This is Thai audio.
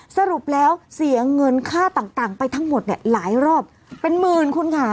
สรุปแล้วเสียเงินค่าต่างไปทั้งหมดเนี่ยหลายรอบเป็นหมื่นคุณค่ะ